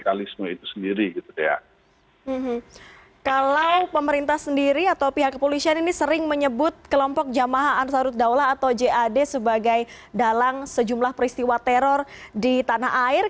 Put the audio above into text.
kalau pemerintah sendiri atau pihak kepolisian ini sering menyebut kelompok jamaah ansarut daulah atau jad sebagai dalang sejumlah peristiwa teror di tanah air